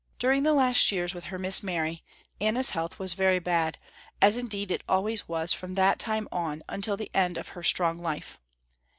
During the last years with her Miss Mary, Anna's health was very bad, as indeed it always was from that time on until the end of her strong life.